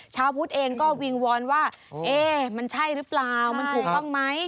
ชาวพุทธเองก็วิงวอนว่าเอ๊ะมันใช่หรือเปล่ามันถูกต้องไหม